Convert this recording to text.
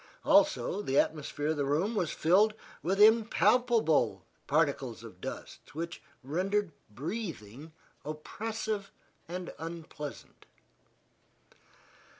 Also the atmosphere of the room was filled with impalpable particles of dust, which rendered breathing oppressive and unpleasant.